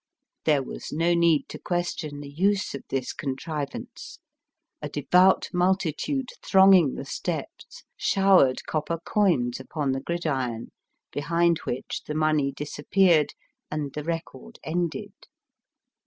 There was no need to ques tion the use of this contrivance. A devout multitude thronging the steps showered copper coins upon the gridiron, behind which the money disappeared and the record ended.